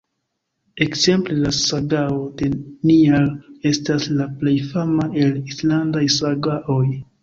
Ekzemple La sagao de Njal estas la plej fama el islandaj sagaoj.